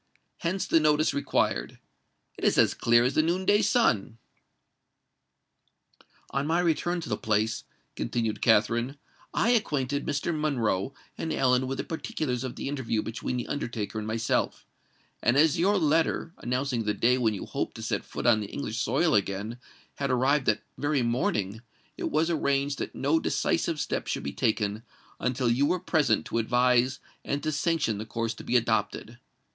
Hence the notice required. It is as clear as the noon day sun." "On my return to the Place," continued Katherine, "I acquainted Mr. Monroe and Ellen with the particulars of the interview between the undertaker and myself; and as your letter, announcing the day when you hoped to set foot on the English soil again, had arrived that very morning, it was arranged that no decisive step should be taken until you were present to advise and to sanction the course to be adopted.